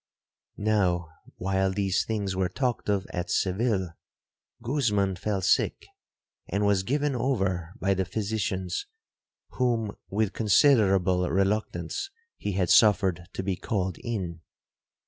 'Now, while these things were talked of at Seville, Guzman fell sick, and was given over by the physicians, whom with considerable reluctance he had suffered to be called in.